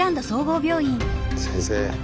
先生！